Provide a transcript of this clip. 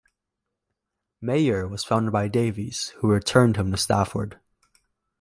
Major was found by Davies, who returned him to Stafford.